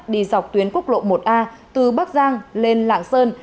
đi dọc tuyến quốc lộ một a từ bắc giang lên lạng sơn